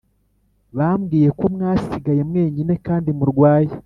bambwiye ko mwasigaye mwenyine kandi murwaye